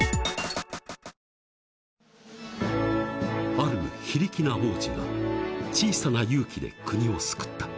［ある非力な王子が小さな勇気で国を救った］